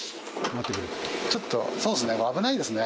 ちょっとそうですね。